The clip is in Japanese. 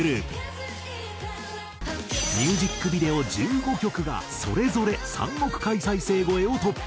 ミュージックビデオ１５曲がそれぞれ３億回再生超えを突破。